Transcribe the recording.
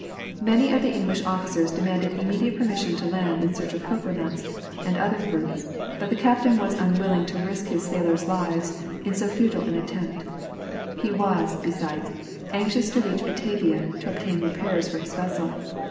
Many of the English officers demanded immediate permission to land in search of cocoa nuts arid other fruits, but the captain was unwilling to risk his sailors' lives in so futile an attempt; he was, besides, anxious to reach Batavia, to obtain repairs for his vessel.